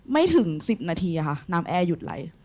ไม่ถึง๑๐นาทีค่ะน้ำแอร์หยุดไหล